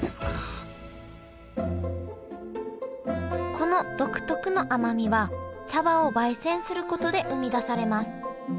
この独特の甘みは茶葉をばい煎することで生み出されます